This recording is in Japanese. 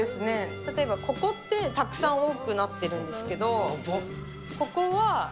例えばここって、たくさん多くなっているんですけれども。